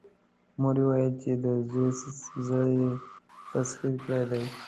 مور يې وويل چې د زوی زړه يې تسخير کړی دی.